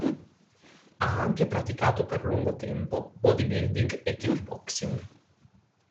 Ha anche praticato per lungo tempo body building e kick boxing.